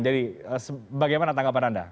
jadi bagaimana tanggapan anda